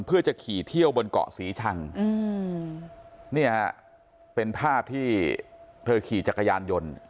เพื่อจะขี่เที่ยวบนเกาะศรีชังเนี่ยฮะเป็นภาพที่เธอขี่จักรยานยนต์